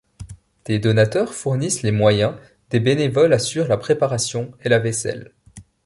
Des donateurs fournissent les moyens, des bénévoles assurent la préparation et la vaisselle.